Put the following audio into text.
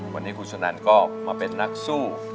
วันนี้คุณสนันก็มาเป็นนักสู้